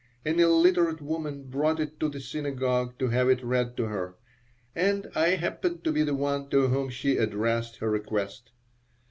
An illiterate woman brought it to the synagogue to have it read to her, and I happened to be the one to whom she addressed her request.